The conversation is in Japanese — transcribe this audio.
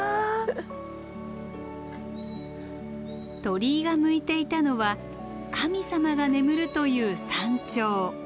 鳥居が向いていたのは神様が眠るという山頂。